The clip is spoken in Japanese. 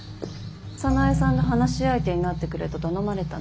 早苗さんの話し相手になってくれと頼まれたの。